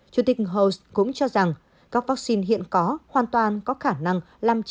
chủ tịch holtz cũng cho rằng các vaccine hiện có hoàn toàn có khả năng biến thể omicron